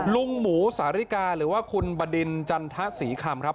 ลุงหมูสาริกาหรือว่าคุณบดินจันทศรีคำครับ